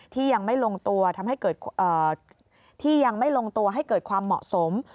ที่ยังไม่ลงตัวให้เกิดความเหมาะสม